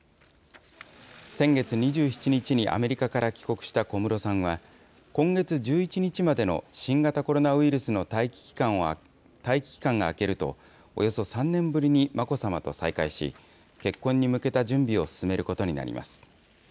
先月２７日にアメリカから帰国した小室さんは、今月１１日までの新型コロナウイルスの待機期間が明けると、およそ３年ぶりに眞子さまと再会し、結婚に向けた準備を進めることになります。